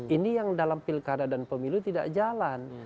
ini yang dalam pilkada dan pemilu tidak jalan